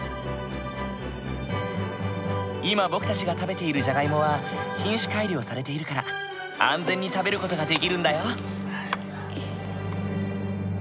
今僕たちが食べているじゃがいもは品種改良されているから安全に食べる事ができるんだよ。